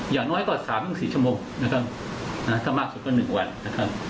อย่าน้อยกว่าสามพรุ่งสี่ชั่วโมงนะคะอ่าถ้ามากสุดก็หนึ่งวันนะครับ